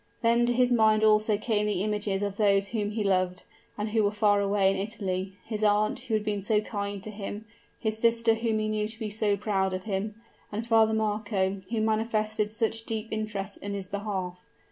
Then to his mind also came the images of those whom he loved, and who were far away in Italy: his aunt, who had been so kind to him, his sister whom he knew to be so proud of him, and Father Marco, who manifested such deep interest in his behalf.